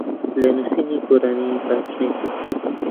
لە نووسینی گۆرانی باش نیم.